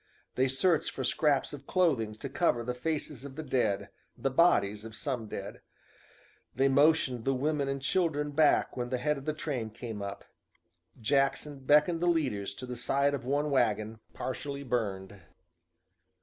They searched for scraps of clothing to cover the faces of the dead, the bodies of some dead. They motioned the women and children back when the head of the train came up. Jackson beckoned the leaders to the side of one wagon, partially burned.